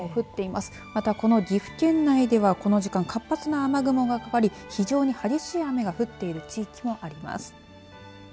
また、この岐阜県内ではこの時間、活発な雨雲がかかり非常に激しい雨が降っている地域もあります。